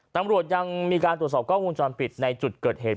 ตำรวจยังมีการตรวจสอบกล้องวงจรปิดในจุดเกิดเหตุ